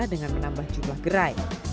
dengan menambah jumlah gerai